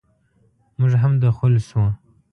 موږ هم دخول شوو.